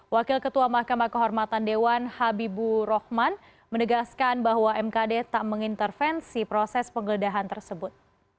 wakil ketua mahkamah kehormatan dewan habibu rohman menegaskan bahwa mkd tak mengintervensi proses penggeledahan tersebut